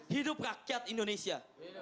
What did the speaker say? hidup rakyat indonesia